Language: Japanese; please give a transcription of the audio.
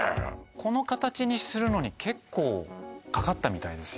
この形にするのに結構かかったみたいですよ